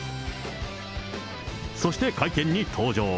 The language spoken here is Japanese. そして会見に登場。